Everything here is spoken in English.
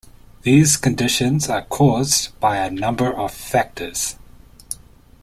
These conditions are caused by a number of factors.